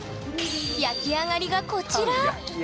焼き上がりがこちら！